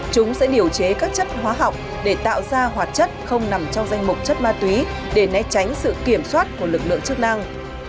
chúng sẽ điều chế các chất hóa học để tạo ra hoạt chất không nằm trong danh mục chất ma túy để né tránh sự kiểm soát của lực lượng chức năng